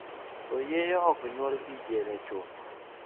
Oyieyo ok nyuol gi yire chuth.